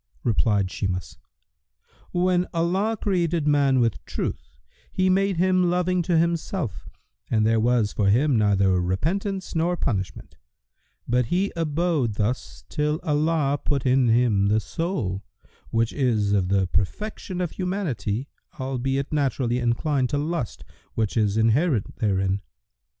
Replied Shimas, "When Allah created man with Truth, He made him loving to Himself and there was for him neither repentance nor punishment; but he abode thus till Allah put in him the soul, which is of the perfection of humanity, albeit naturally inclined to lust which is inherent therein.